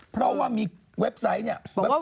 เพราะว่ามีเว็บไซต์อันผล